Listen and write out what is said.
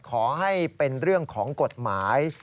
ขอให้เป็นเรื่องของกฎหมาย